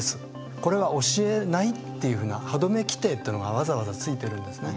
これは教えないっていうようなはどめ規定っていうのがわざわざついてるんですね。